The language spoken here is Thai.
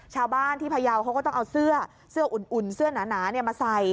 ชาวบ้านที่พยาวเขาก็ต้องเอาเสื้อเสื้ออุ่นเสื้อหนามาใส่